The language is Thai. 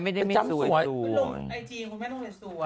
คุณลุงไอจีมคุณแม่งไม่ต้องเห็นสวย